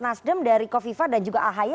nasdem dari kofifa dan juga ahy